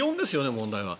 問題は。